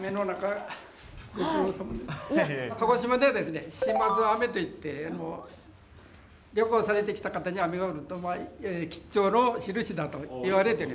鹿児島ではですね島津雨といって旅行されてきた方に雨が降ると吉兆のしるしだといわれてる。